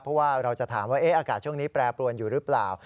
เพราะว่าเราจะถามว่าอากาศช่วงนี้แปรปรวนอยู่หรือเปล่า